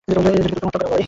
এবং যেটা দ্রুত মাতাল করবে।